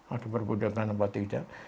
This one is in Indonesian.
ada pergoda kan apa tidak